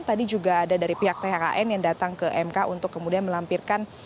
tadi juga ada dari pihak thn yang datang ke mk untuk kemudian melampirkan